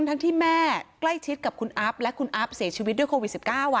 ทั้งที่แม่ใกล้ชิดกับคุณอัพและคุณอัพเสียชีวิตด้วยโควิด๑๙